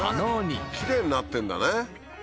きれいになってんだね。